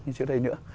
như trước đây nữa